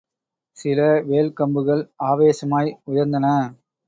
சில வேல் கம்புகள் ஆவேசமாய் உயர்ந்தன.